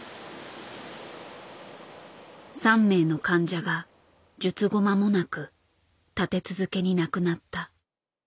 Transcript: ３名の患者が術後間もなく立て続けに亡くなった。